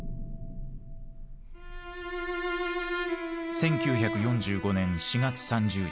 １９４５年４月３０日。